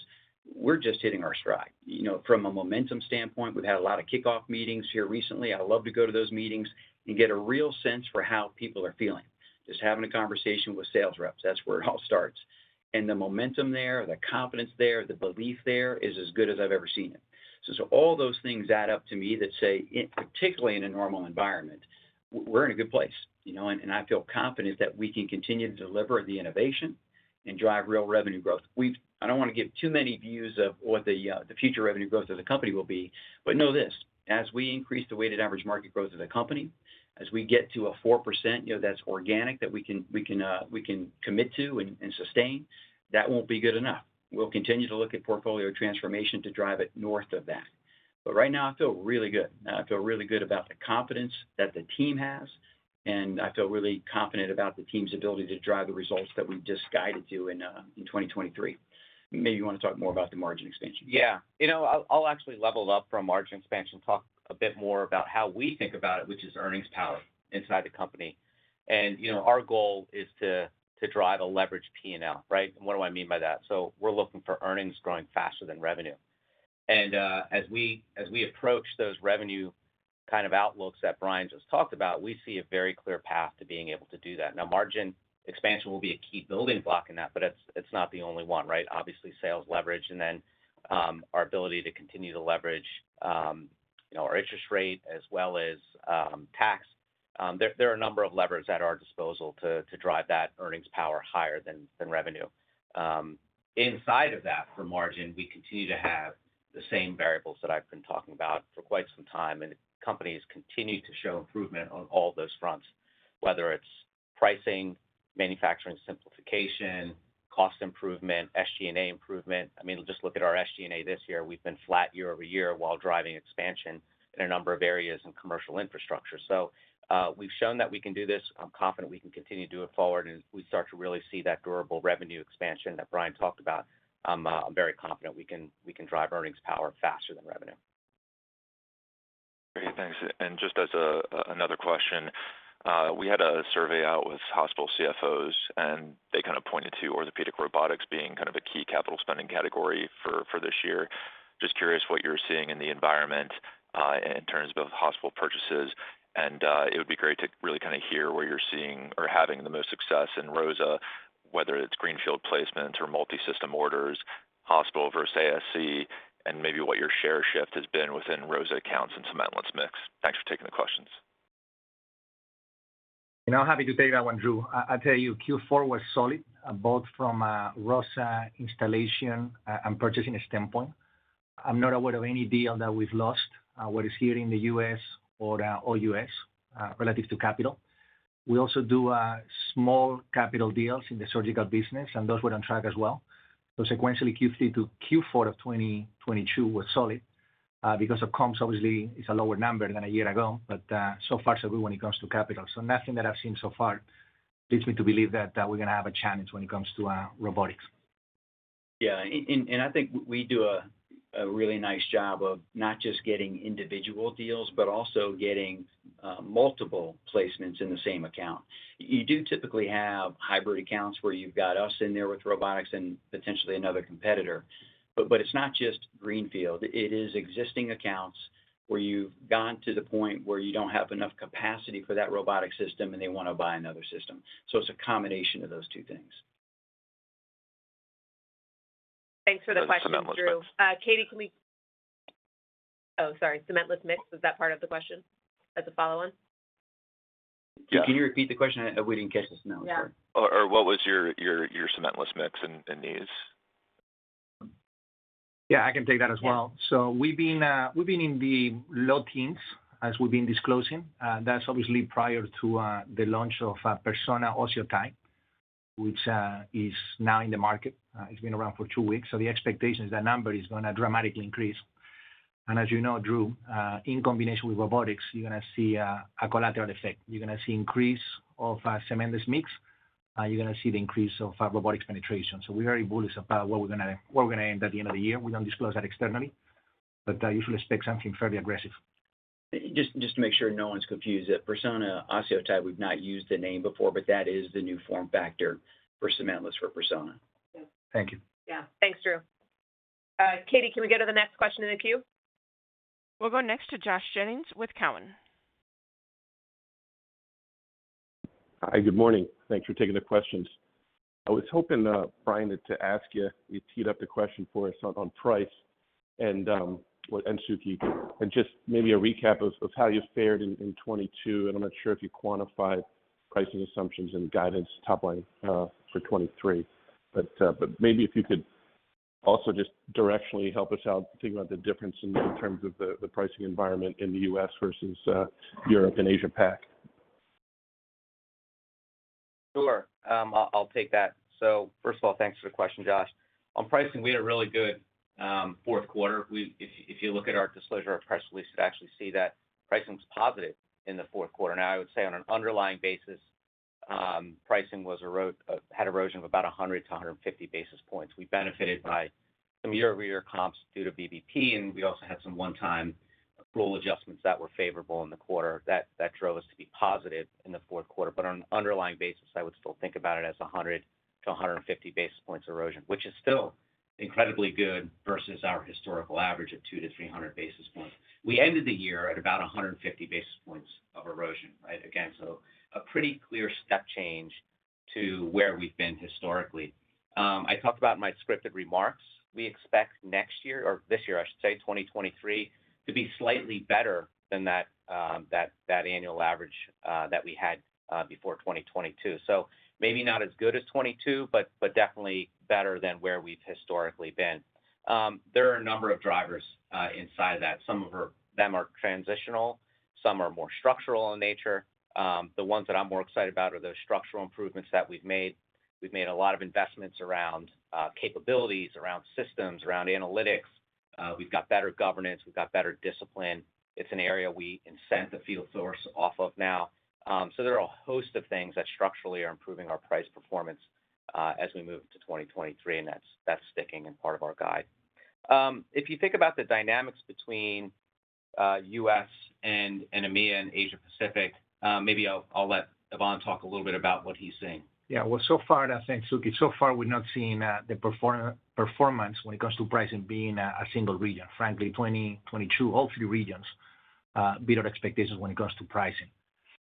we're just hitting our stride. You know, from a momentum standpoint, we've had a lot of kickoff meetings here recently. I love to go to those meetings and get a real sense for how people are feeling. Just having a conversation with sales reps, that's where it all starts. The momentum there, the confidence there, the belief there is as good as I've ever seen it. All those things add up to me that say, in particularly in a normal environment, we're in a good place, you know? I feel confident that we can continue to deliver the innovation and drive real revenue growth. We've... I don't wanna give too many views of what the future revenue growth of the company will be. Know this, as we increase the weighted average market growth of the company, as we get to a 4%, you know, that's organic, that we can commit to and sustain, that won't be good enough. We'll continue to look at portfolio transformation to drive it north of that. Right now, I feel really good. I feel really good about the confidence that the team has, and I feel really confident about the team's ability to drive the results that we've just guided to in 2023. Maybe you wanna talk more about the margin expansion. Yeah. You know, I'll actually level up from margin expansion, talk a bit more about how we think about it, which is earnings power inside the company. You know, our goal is to drive a leverage P&L, right? What do I mean by that? We're looking for earnings growing faster than revenue. As we approach those revenue kind of outlooks that Bryan just talked about, we see a very clear path to being able to do that. Margin expansion will be a key building block in that, but it's not the only one, right? Obviously, sales leverage and then our ability to continue to leverage, you know, our interest rate as well as tax. There are a number of levers at our disposal to drive that earnings power higher than revenue. Inside of that, for margin, we continue to have the same variables that I've been talking about for quite some time. The company has continued to show improvement on all those fronts, whether it's pricing, manufacturing simplification, cost improvement, SG&A improvement. I mean, just look at our SG&A this year. We've been flat year-over-year while driving expansion in a number of areas in commercial infrastructure. We've shown that we can do this. I'm confident we can continue to do it forward. As we start to really see that durable revenue expansion that Bryan talked about, I'm very confident we can drive earnings power faster than revenue. Great. Thanks. Just as a another question, we had a survey out with hospital CFOs, and they kind of pointed to orthopedic robotics being kind of a key capital spending category for this year. Just curious what you're seeing in the environment, in terms of both hospital purchases. It would be great to really kind of hear where you're seeing or having the most success in ROSA, whether it's greenfield placements or multi-system orders, hospital versus ASC, and maybe what your share shift has been within ROSA accounts and cementless mix. Thanks for taking the questions. You know, I'm happy to take that one, Drew. I tell you, Q4 was solid, both from a ROSA installation and purchasing standpoint. I'm not aware of any deal that we've lost, whether it's here in the U.S. or OUS, relative to capital. We also do small capital deals in the surgical business, those were on track as well. Sequentially, Q3 to Q4 of 2022 was solid. Because of comps, obviously, it's a lower number than a year ago, but so far, so good when it comes to capital. Nothing that I've seen so far leads me to believe that we're gonna have a challenge when it comes to robotics. Yeah. I think we do a really nice job of not just getting individual deals, but also getting multiple placements in the same account. You do typically have hybrid accounts where you've got us in there with robotics and potentially another competitor. It's not just greenfield. It is existing accounts where you've gotten to the point where you don't have enough capacity for that robotic system and they wanna buy another system. It's a combination of those two things. Thanks for the question, Drew. Cementless mix. Katie. Oh, sorry. Cementless mix, was that part of the question as a follow-on? Yeah. Can you repeat the question? We didn't catch the cementless. Yeah. What was your cementless mix in these? Yeah, I can take that as well. Yeah. We've been in the low teens as we've been disclosing. That's obviously prior to the launch of Persona OsseoTi, which is now in the market. It's been around for two weeks. The expectation is that number is gonna dramatically increase. As you know, Drew, in combination with robotics, you're gonna see a collateral effect. You're gonna see increase of cementless mix. You're gonna see the increase of robotics penetration. We're very bullish about what we're gonna end at the end of the year. We don't disclose that externally, but you should expect something fairly aggressive. Just to make sure no one's confused, at Persona OsseoTi, we've not used the name before, but that is the new form factor for cementless for Persona. Yeah. Thank you. Yeah. Thanks, Drew. Katie, can we go to the next question in the queue? We'll go next to Josh Jennings with Cowen. Hi, good morning. Thanks for taking the questions. I was hoping, Bryan, to ask you teed up the question for us on price, and well, and Suke, and just maybe a recap of how you fared in 2022, and I'm not sure if you quantified pricing assumptions and guidance top line for 2023. Maybe if you could also just directionally help us out think about the difference in terms of the pricing environment in the U.S. versus Europe and Asia Pac. Sure. I'll take that. First of all, thanks for the question, Josh. On pricing, we had a really good fourth quarter. If you look at our disclosure, our press release, you'll actually see that pricing was positive in the fourth quarter. I would say on an underlying basis, pricing had erosion of about 100-150 basis points. We benefited by some year-over-year comps due to BBP, and we also had some one-time rule adjustments that were favorable in the quarter that drove us to be positive in the fourth quarter. On an underlying basis, I would still think about it as 100-150 basis points erosion, which is still incredibly good versus our historical average of 200-300 basis points. We ended the year at about 150 basis points of erosion, right? Again, a pretty clear step change to where we've been historically. I talked about in my scripted remarks, we expect next year, or this year, I should say, 2023, to be slightly better than that annual average that we had before 2022. Maybe not as good as 2022, but definitely better than where we've historically been. There are a number of drivers inside of that. Some of them are transitional, some are more structural in nature. The ones that I'm more excited about are the structural improvements that we've made. We've made a lot of investments around capabilities, around systems, around analytics. We've got better governance. We've got better discipline. It's an area we incent the field source off of now. There are a host of things that structurally are improving our price performance as we move to 2023, and that's sticking in part of our guide. If you think about the dynamics between U.S. and EMEA and Asia Pacific, maybe I'll let Ivan talk a little bit about what he's seeing. Yeah. Well, so far, and I think, Suke, so far, we've not seen performance when it comes to pricing being a single region. Frankly, 2022, all three regions beat our expectations when it comes to pricing.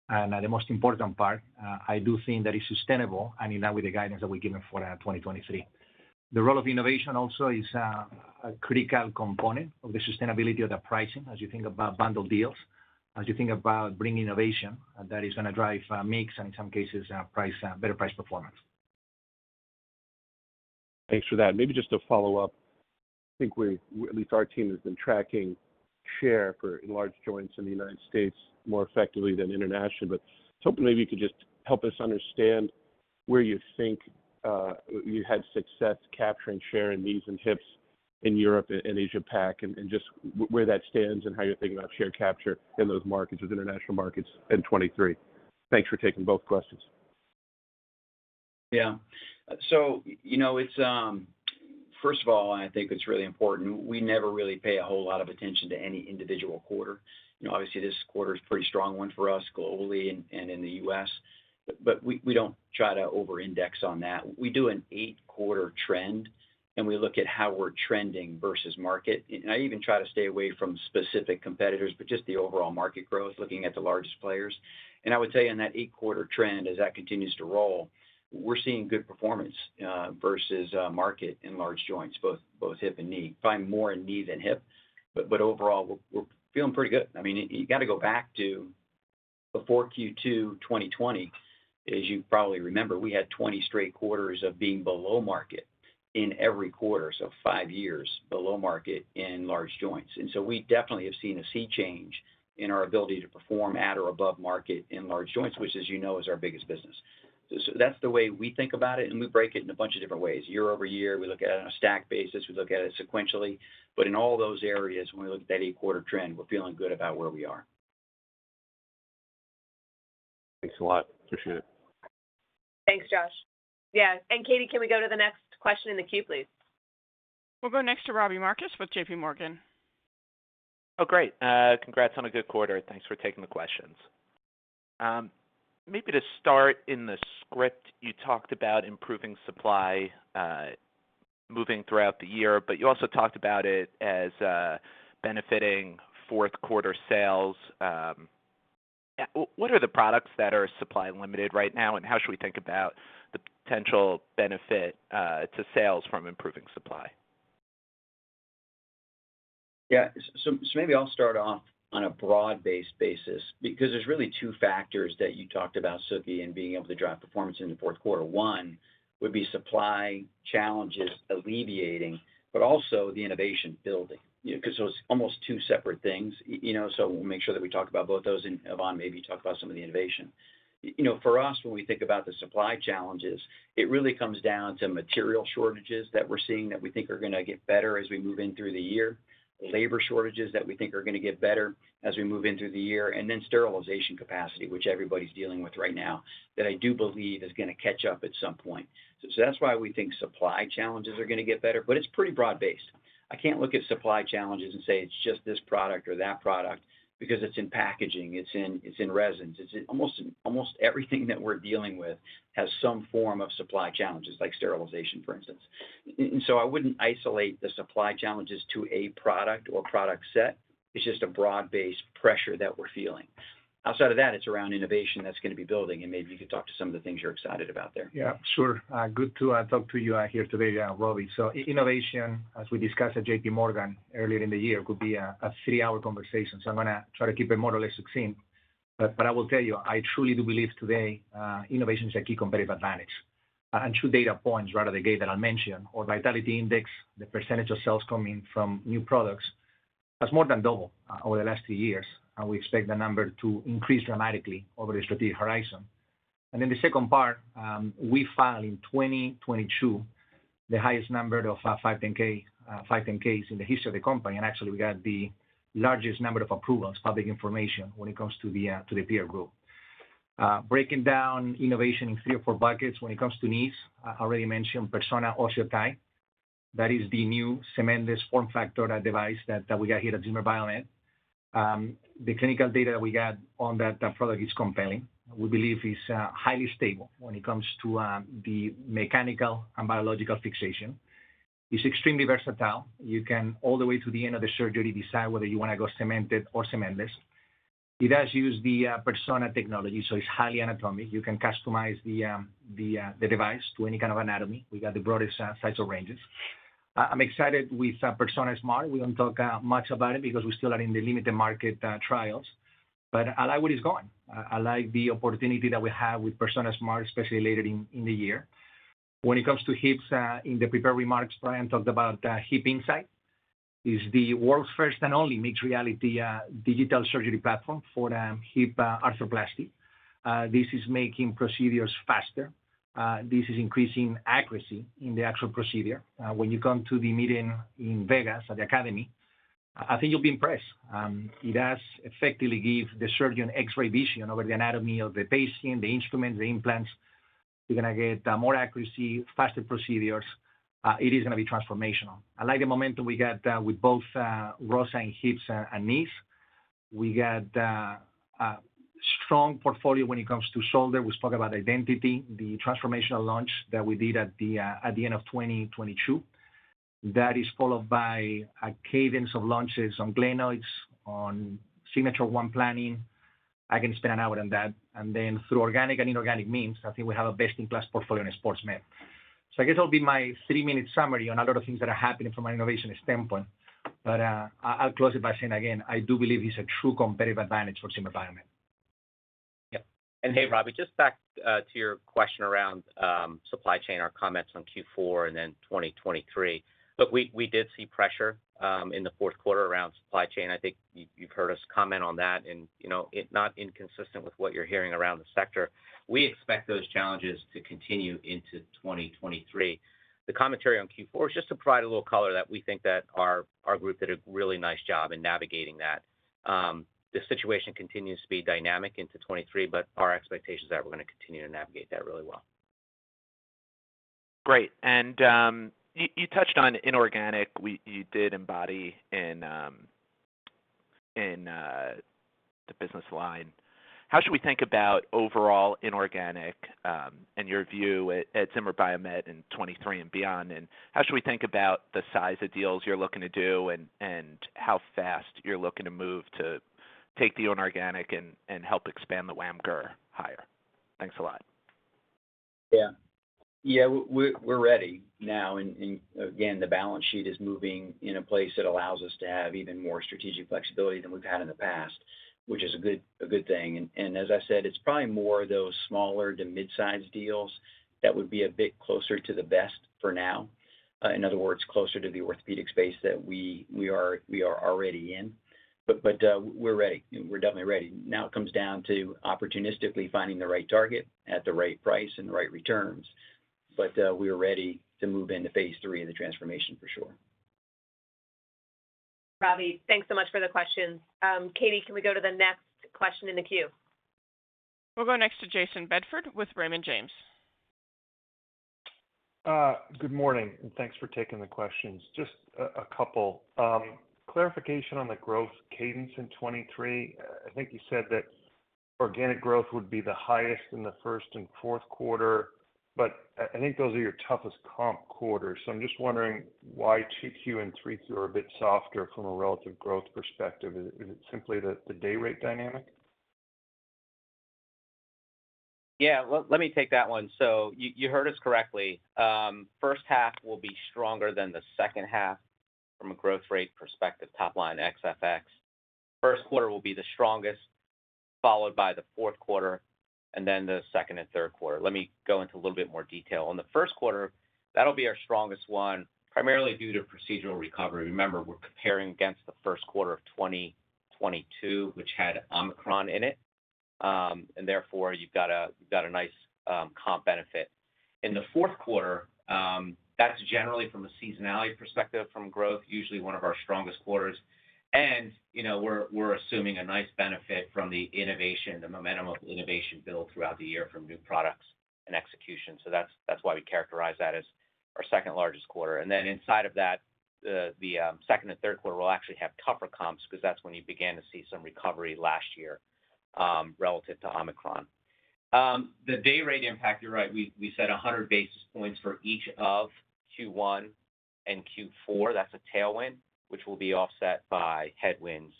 The most important part, I do think that it's sustainable, and in that with the guidance that we've given for 2023. The role of innovation also is a critical component of the sustainability of the pricing as you think about bundled deals, as you think about bringing innovation that is gonna drive mix and in some cases, price, better price performance. Thanks for that. Maybe just to follow up, I think we're, at least our team, has been tracking share for enlarged joints in the United States more effectively than internationally. I was hoping maybe you could just help us understand where you think you had success capturing share in knees and hips in Europe and Asia Pac, and just where that stands and how you're thinking about share capture in those markets, with international markets in 2023. Thanks for taking both questions. Yeah. You know, it's, first of all, and I think it's really important, we never really pay a whole lot of attention to any individual quarter. You know, obviously, this quarter's a pretty strong one for us globally and in the U.S., but we don't try to over-index on that. We do an eight-quarter trend, and we look at how we're trending versus market. I even try to stay away from specific competitors, but just the overall market growth, looking at the largest players. I would say on that eight-quarter trend, as that continues to roll, we're seeing good performance versus market in large joints, both hip and knee. Probably more in knee than hip, but overall, we're feeling pretty good. I mean, you gotta go back to before Q2 2020. As you probably remember, we had 20 straight quarters of being below market in every quarter, so five years below market in large joints. We definitely have seen a sea change in our ability to perform at or above market in large joints, which, as you know, is our biggest business. That's the way we think about it, and we break it in a bunch of different ways. Year-over-year, we look at it on a stack basis, we look at it sequentially. In all those areas, when we look at that eight-quarter trend, we're feeling good about where we are. Thanks a lot. Appreciate it. Thanks, Josh. Yeah. Katie, can we go to the next question in the queue, please? We'll go next to Robbie Marcus with JPMorgan. Great. Congrats on a good quarter. Thanks for taking the questions. Maybe to start, in the script, you talked about improving supply moving throughout the year, but you also talked about it as benefiting fourth quarter sales. What are the products that are supply limited right now, and how should we think about the potential benefit to sales from improving supply? Maybe I'll start off on a broad-based basis because there's really two factors that you talked about, Suke, in being able to drive performance in the fourth quarter. One would be supply challenges alleviating, but also the innovation building, you know, 'cause those are almost two separate things, you know, so we'll make sure that we talk about both those, and Ivan maybe talk about some of the innovation. You know, for us, when we think about the supply challenges, it really comes down to material shortages that we're seeing that we think are gonna get better as we move in through the year, labor shortages that we think are gonna get better as we move in through the year, and then sterilization capacity, which everybody's dealing with right now, that I do believe is gonna catch up at some point. That's why we think supply challenges are gonna get better, but it's pretty broad-based. I can't look at supply challenges and say it's just this product or that product because it's in packaging, it's in resins. It's in almost everything that we're dealing with has some form of supply challenges, like sterilization, for instance. I wouldn't isolate the supply challenges to a product or product set. It's just a broad-based pressure that we're feeling. Outside of that, it's around innovation that's gonna be building, and maybe you could talk to some of the things you're excited about there. Yeah, sure. good to talk to you here today, Robbie. Innovation, as we discussed at JPMorgan earlier in the year, could be a three-hour conversation, so I'm gonna try to keep it more or less succinct. I will tell you, I truly do believe today, innovation is a key competitive advantage. Two data points right out of the gate that I'll mention. Our Vitality Index, the percentage of sales coming from new products, that's more than double over the last two years, and we expect the number to increase dramatically over the strategic horizon. The second part, we filed in 2022 the highest number of 510(k), 510(k)s in the history of the company, and actually we got the largest number of approvals, public information when it comes to the to the peer group. Breaking down innovation in three or four buckets when it comes to knees, I already mentioned Persona OsseoTi. That is the new cementless form factor, device that we got here at Zimmer Biomet. The clinical data that we got on that product is compelling. We believe it's highly stable when it comes to the mechanical and biological fixation. It's extremely versatile. You can all the way to the end of the surgery decide whether you wanna go cemented or cementless. It does use the Persona technology, so it's highly anatomic. You can customize the device to any kind of anatomy. We got the broadest size of ranges. I'm excited with Persona Smart. We don't talk much about it because we still are in the limited market trials, but I like where it's going. I like the opportunity that we have with Persona Smart, especially later in the year. When it comes to hips, in the prepared remarks, Bryan talked about HipInsight. It's the world's first and only mixed reality digital surgery platform for hip arthroplasty. This is making procedures faster. This is increasing accuracy in the actual procedure. When you come to the meeting in Vegas at the academy, I think you'll be impressed. It does effectively give the surgeon X-ray vision over the anatomy of the patient, the instrument, the implants. You're gonna get more accuracy, faster procedures. It is gonna be transformational. I like the momentum we got with both ROSA in hips and knees. We got a strong portfolio when it comes to shoulder. We spoke about Identity, the transformational launch that we did at the end of 2022. That is followed by a cadence of launches on glenoids, on Signature One planning. I can spend an hour on that. Through organic and inorganic means, I think we have a best-in-class portfolio in sports med. I guess that'll be my three-minute summary on a lot of things that are happening from an innovation standpoint. I'll close it by saying again, I do believe it's a true competitive advantage for Zimmer Biomet. Yeah. Hey, Robbie, just back to your question around supply chain, our comments on Q4 and 2023. We did see pressure in the fourth quarter around supply chain. I think you've heard us comment on that and, you know, it's not inconsistent with what you're hearing around the sector. We expect those challenges to continue into 2023. The commentary on Q4 is just to provide a little color that we think that our group did a really nice job in navigating that. The situation continues to be dynamic into 2023, our expectation is that we're gonna continue to navigate that really well. Great. You touched on inorganic. You did Embody in the business line. How should we think about overall inorganic and your view at Zimmer Biomet in 2023 and beyond? How should we think about the size of deals you're looking to do and how fast you're looking to move to take the inorganic and help expand the WAMGR higher? Thanks a lot. Yeah. Yeah, we're ready now. Again, the balance sheet is moving in a place that allows us to have even more strategic flexibility than we've had in the past, which is a good thing. As I said, it's probably more of those smaller to mid-size deals that would be a bit closer to the best for now. In other words, closer to the orthopedic space that we are already in. We're ready. We're definitely ready. Now it comes down to opportunistically finding the right target at the right price and the right returns. We are ready to move into phase III of the transformation for sure. Robbie, thanks so much for the questions. Katie, can we go to the next question in the queue? We'll go next to Jayson Bedford with Raymond James. Good morning, thanks for taking the questions. Just a couple. Clarification on the growth cadence in 2023. I think you said that organic growth would be the highest in the first and fourth quarter, but I think those are your toughest comp quarters. I'm just wondering why 2Q and 3Q are a bit softer from a relative growth perspective. Is it simply the day rate dynamic? Yeah, let me take that one. You heard us correctly. First half will be stronger than the second half from a growth rate perspective, top line ex FX. First quarter will be the strongest, followed by the fourth quarter and then the second and third quarter. Let me go into a little bit more detail. On the first quarter, that'll be our strongest one, primarily due to procedural recovery. Remember, we're comparing against the first quarter of 2022, which had Omicron in it. Therefore you've got a nice comp benefit. In the fourth quarter, that's generally from a seasonality perspective from growth, usually one of our strongest quarters. You know, we're assuming a nice benefit from the innovation, the momentum of innovation built throughout the year from new products and execution. That's, that's why we characterize that as our second largest quarter. Inside of that, the second and third quarter will actually have tougher comps because that's when you began to see some recovery last year relative to Omicron. The day rate impact, you're right, we said 100 basis points for each of Q1 and Q4. That's a tailwind, which will be offset by headwinds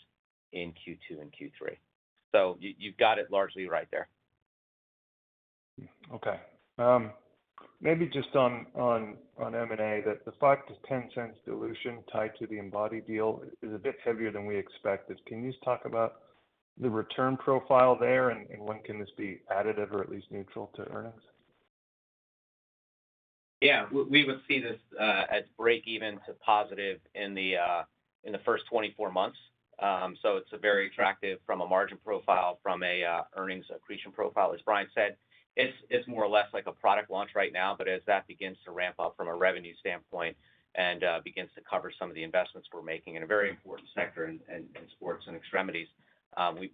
in Q2 and Q3. You, you've got it largely right there. Okay. maybe just on M&A that the $0.05-$0.10 dilution tied to the Embody deal is a bit heavier than we expected? Can you just talk about the return profile there and when can this be additive or at least neutral to earnings? Yeah. We would see this as break even to positive in the first 24 months. It's a very attractive from a margin profile, from an earnings accretion profile. As Bryan said, it's more or less like a product launch right now. As that begins to ramp up from a revenue standpoint and begins to cover some of the investments we're making in a very important sector in sports and extremities,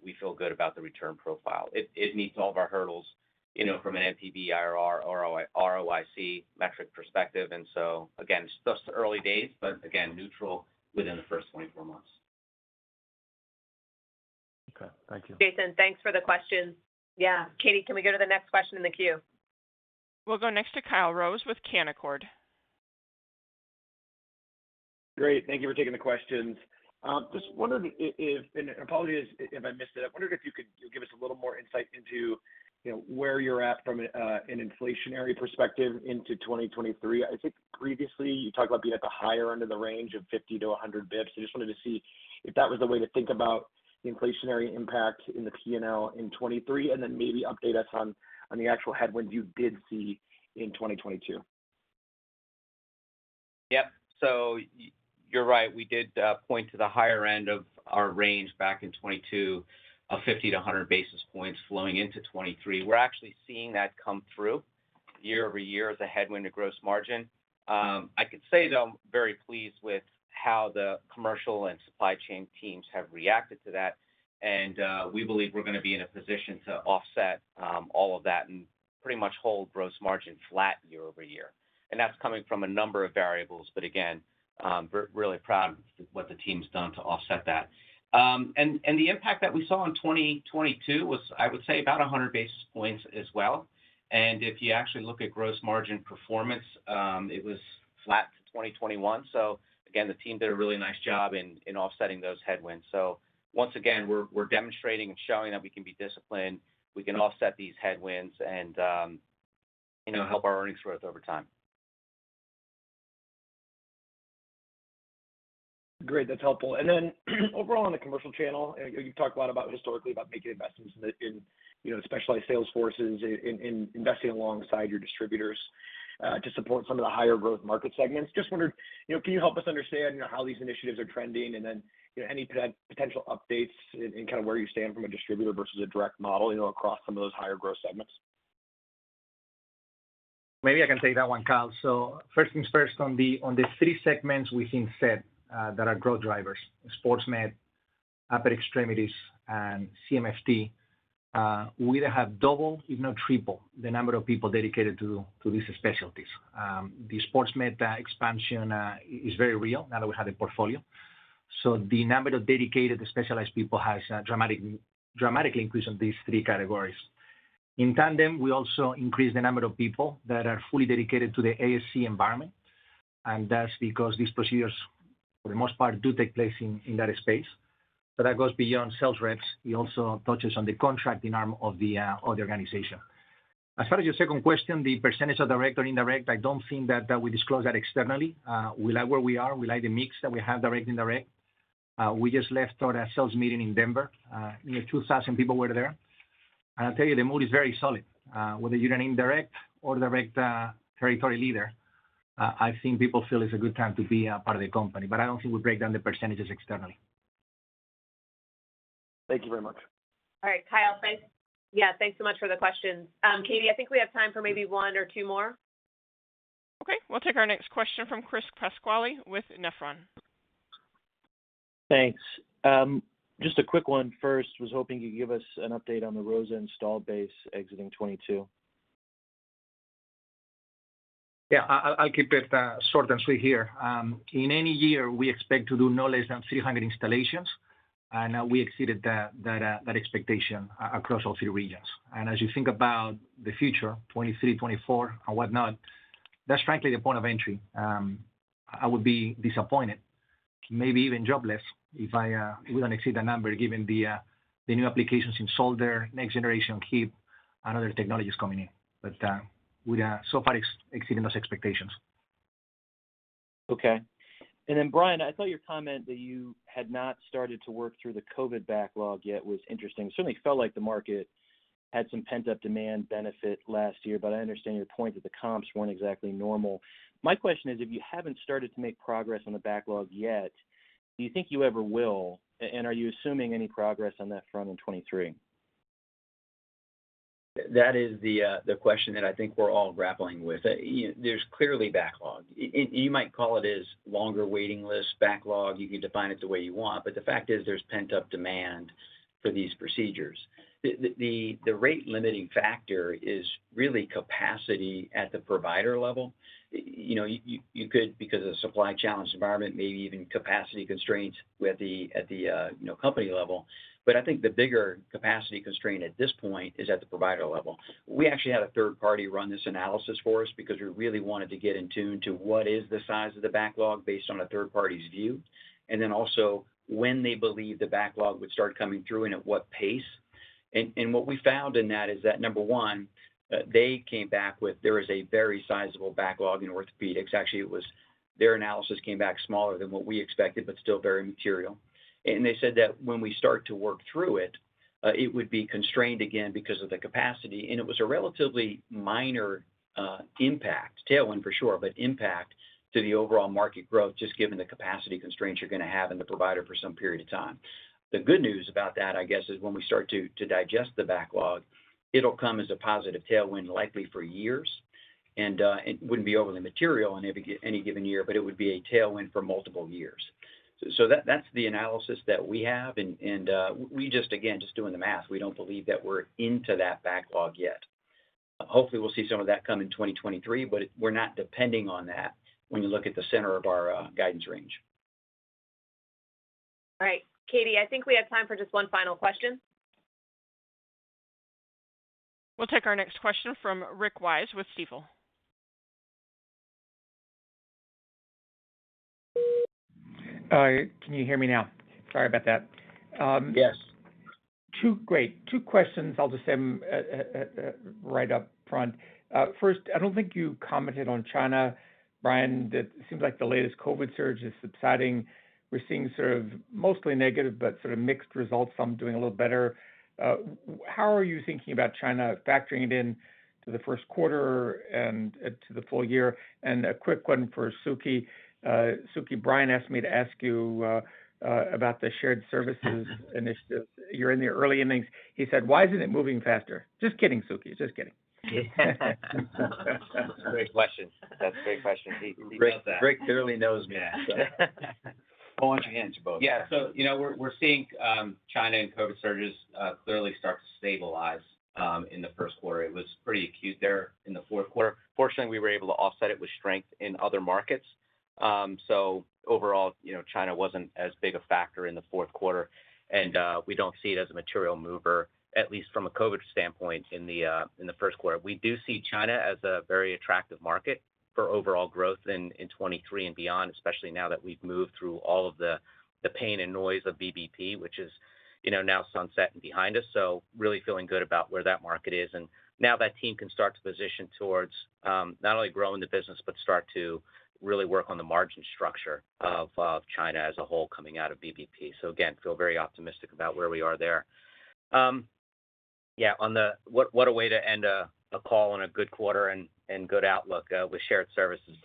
we feel good about the return profile. It meets all of our hurdles, you know, from an NPV, IRR, ROIC metric perspective. Again, still early days, but again, neutral within the first 24 months. Okay. Thank you. Jayson, thanks for the question. Katie, can we go to the next question in the queue? We'll go next to Kyle Rose with Canaccord. Great. Thank you for taking the questions. Just wondering if, and apologies if I missed it. I wondered if you could give us a little more insight into, you know, where you're at from an inflationary perspective into 2023. I think previously you talked about being at the higher end of the range of 50-100 basis points. I just wanted to see if that was the way to think about the inflationary impact in the P&L in 2023, and then maybe update us on the actual headwinds you did see in 2022. Yep. You're right, we did point to the higher end of our range back in 2022, 50-100 basis points flowing into 2023. We're actually seeing that come through year-over-year as a headwind to gross margin. I could say, though, I'm very pleased with how the commercial and supply chain teams have reacted to that. We believe we're going to be in a position to offset all of that and pretty much hold gross margin flat year-over-year. That's coming from a number of variables. Again, we're really proud of what the team's done to offset that. And the impact that we saw in 2022 was, I would say, about 100 basis points as well. If you actually look at gross margin performance, it was flat to 2021. Again, the team did a really nice job in offsetting those headwinds. Once again, we're demonstrating and showing that we can be disciplined, we can offset these headwinds and, you know, help our earnings growth over time. Great. That's helpful. Overall on the commercial channel, you've talked a lot about historically about making investments in, you know, specialized sales forces, in investing alongside your distributors to support some of the higher growth market segments. Just wondered, you know, can you help us understand, you know, how these initiatives are trending and then, you know, any potential updates in kind of where you stand from a distributor versus a direct model, you know, across some of those higher growth segments? Maybe I can take that one, Kyle. First things first, on the three segments we think SET that are growth drivers, Sports Med, Upper Extremities, and CMFT, we either have double if not triple the number of people dedicated to these specialties. The Sports Med expansion is very real now that we have a portfolio. The number of dedicated specialized people has dramatically increased on these three categories. In tandem, we also increased the number of people that are fully dedicated to the ASC environment, and that's because these procedures, for the most part, do take place in that space. That goes beyond sales reps. It also touches on the contracting arm of the organization. As far as your second question, the percentage of direct or indirect, I don't think that we disclose that externally. We like where we are. We like the mix that we have direct and indirect. We just left our sales meeting in Denver. Near 2,000 people were there. I'll tell you, the mood is very solid. Whether you're an indirect or direct, territory leader, I think people feel it's a good time to be a part of the company, but I don't think we break down the percentages externally. Thank you very much. All right, Kyle, thanks. Yeah, thanks so much for the question. Katie, I think we have time for maybe one or two more. Okay. We'll take our next question from Chris Pasquale with Nephron. Thanks. Just a quick one first. Was hoping you'd give us an update on the ROSA install base exiting 2022? Yeah. I'll keep it short and sweet here. In any year, we expect to do no less than 300 installations, and we exceeded that expectation across all three regions. As you think about the future, 2023, 2024 and whatnot, that's frankly the point of entry. I would be disappointed. Maybe even jobless if I don't exceed the number given the new applications in shoulder, next generation HIP and other technologies coming in. We are so far exceeding those expectations. Okay. Then Bryan, I thought your comment that you had not started to work through the COVID backlog yet was interesting. Certainly felt like the market had some pent-up demand benefit last year, but I understand your point that the comps weren't exactly normal. My question is, if you haven't started to make progress on the backlog yet, do you think you ever will? Are you assuming any progress on that front in 2023? That is the question that I think we're all grappling with. There's clearly backlog. You might call it as longer waiting list backlog. You can define it the way you want, but the fact is there's pent-up demand for these procedures. The rate limiting factor is really capacity at the provider level. You know, you could, because of the supply challenged environment, maybe even capacity constraints with the, at the, you know, company level. I think the bigger capacity constraint at this point is at the provider level. We actually had a third party run this analysis for us because we really wanted to get in tune to what is the size of the backlog based on a third party's view, and then also when they believe the backlog would start coming through and at what pace. What we found in that is that, number one, they came back with there is a very sizable backlog in orthopedics. Actually, their analysis came back smaller than what we expected, but still very material. They said that when we start to work through it would be constrained again because of the capacity, and it was a relatively minor impact. Tailwind for sure, but impact to the overall market growth, just given the capacity constraints you're gonna have in the provider for some period of time. The good news about that, I guess, is when we start to digest the backlog, it'll come as a positive tailwind likely for years, and it wouldn't be overly material on any given year, but it would be a tailwind for multiple years. That's the analysis that we have and we just, again, just doing the math. We don't believe that we're into that backlog yet. Hopefully, we'll see some of that come in 2023, but we're not depending on that when you look at the center of our guidance range. All right. Katie, I think we have time for just one final question. We'll take our next question from Rick Wise with Stifel. Can you hear me now? Sorry about that. Yes. Great. Two questions. I'll just say them at right up front. First, I don't think you commented on China. Bryan, it seems like the latest COVID surge is subsiding. We're seeing sort of mostly negative but sort of mixed results, some doing a little better. How are you thinking about China factoring it in to the first quarter and to the full year? A quick one for Suke. Suke, Bryan asked me to ask you about the shared services initiative. You're in the early innings. He said, "Why isn't it moving faster?" Just kidding, Suke. Just kidding. That's a great question. He does that. Rick clearly knows me. Yeah. I want your answer both. Yeah. You know, we're seeing China and COVID surges clearly start to stabilize in the first quarter. It was pretty acute there in the fourth quarter. Fortunately, we were able to offset it with strength in other markets. Overall, you know, China wasn't as big a factor in the fourth quarter, and we don't see it as a material mover, at least from a COVID standpoint, in the first quarter. We do see China as a very attractive market for overall growth in 2023 and beyond, especially now that we've moved through all of the pain and noise of BBP, which is, you know, now sunset and behind us. Really feeling good about where that market is. Now that team can start to position towards, not only growing the business but start to really work on the margin structure of China as a whole coming out of BBP. Again, feel very optimistic about where we are there. Yeah, what a way to end a call on a good quarter and good outlook, with shared services.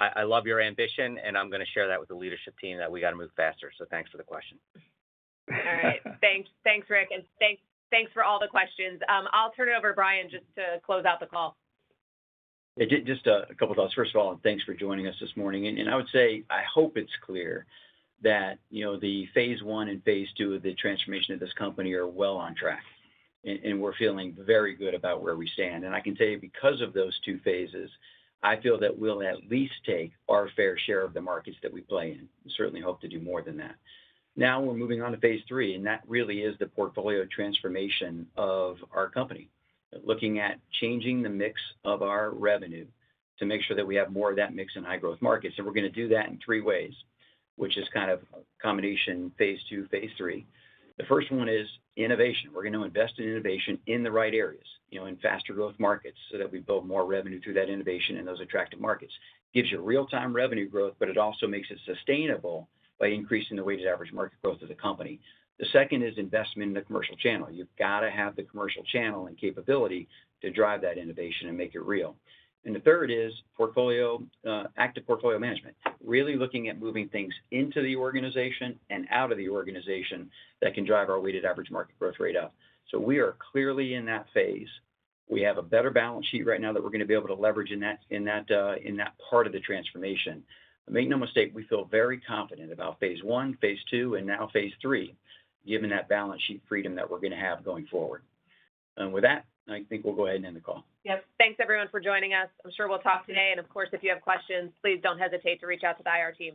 I love your ambition, and I'm gonna share that with the leadership team that we gotta move faster. Thanks for the question. All right. Thanks. Thanks, Rick Wise. Thanks for all the questions. I'll turn it over to Bryan Hanson just to close out the call. Yeah. Just a couple thoughts. First of all, thanks for joining us this morning. I would say, I hope it's clear that, you know, the phase I and phase II of the transformation of this company are well on track. We're feeling very good about where we stand. I can tell you because of those two phases, I feel that we'll at least take our fair share of the markets that we play in. We certainly hope to do more than that. Now we're moving on to phase III, and that really is the portfolio transformation of our company. Looking at changing the mix of our revenue to make sure that we have more of that mix in high growth markets. We're gonna do that in three ways, which is kind of a combination phase II, phase III. The first one is innovation. We're gonna invest in innovation in the right areas, you know, in faster growth markets, so that we build more revenue through that innovation in those attractive markets. It also makes it sustainable by increasing the weighted average market growth of the company. The second is investment in the commercial channel. You've got to have the commercial channel and capability to drive that innovation and make it real. The third is portfolio, active portfolio management. Really looking at moving things into the organization and out of the organization that can drive our weighted average market growth rate up. We are clearly in that phase. We have a better balance sheet right now that we're gonna be able to leverage in that, in that, in that part of the transformation. Make no mistake, we feel very confident about phase I, phase II, and now phase III, given that balance sheet freedom that we're gonna have going forward. With that, I think we'll go ahead and end the call. Yes. Thanks everyone for joining us. I'm sure we'll talk today. Of course, if you have questions, please don't hesitate to reach out to the IR team.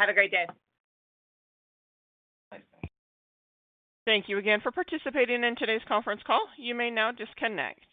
Have a great day. Thanks. Thank you again for participating in today's conference call. You may now disconnect.